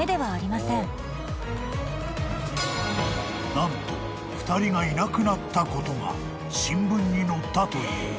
［何と２人がいなくなったことが新聞に載ったという］